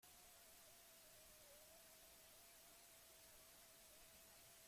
Hala nahi zuenarentzat euskal pasaportea.